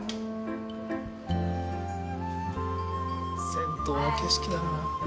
銭湯の景色だな。